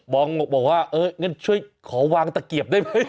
บอกว่าเอองั้นช่วยขอวางตะเกียบได้ไหม